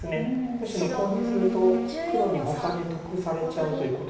むしろコウにすると黒にほかで得されちゃうということでしょうか。